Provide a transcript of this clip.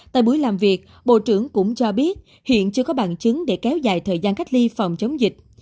tại buổi làm việc bộ trưởng cũng cho biết hiện chưa có bằng chứng để kéo dài thời gian cách ly phòng chống dịch